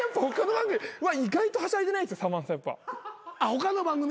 他の番組？